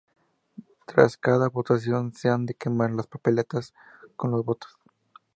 Tras cada votación se han de quemar las papeletas con los votos.